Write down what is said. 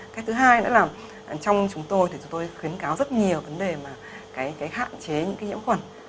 cái thứ hai nữa là trong chúng tôi thì chúng tôi khuyến cáo rất nhiều vấn đề mà hạn chế những cái nhiễm khuẩn